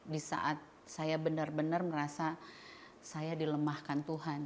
di saat saya benar benar merasa saya dilemahkan tuhan